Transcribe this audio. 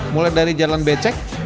mulai dari jalan becek